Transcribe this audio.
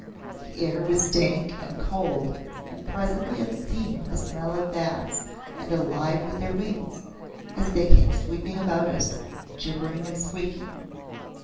The air was dank and cold and presently obscene with the smell of bats, and alive with their wings, as they came sweeping about us, gibbering and squeaking.